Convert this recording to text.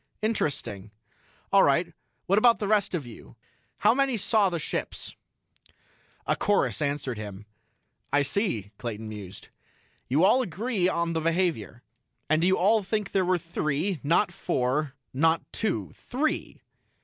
"Interesting. All right, what about the rest of you? How many saw the ships?" A chorus answered him. "I see," Clayton mused. "You all agree on the behavior. And you all think there were three not four not two. Three?"